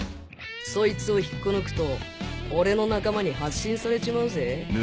そいつを引っこ抜くと俺の仲間に発信されちまうぜ。